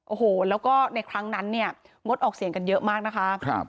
โอ้โหแล้วก็ในครั้งนั้นเนี่ยงดออกเสียงกันเยอะมากนะคะ